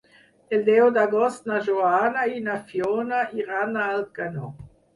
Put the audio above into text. El deu d'agost na Joana i na Fiona iran a Alcanó.